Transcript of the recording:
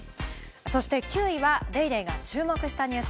そして９位は『ＤａｙＤａｙ．』が注目したニュース。